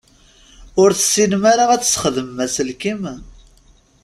Ur tessinem ara ad tesxedmem aselkim?